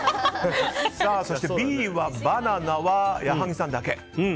そしてＢはバナナは矢作さんだけ。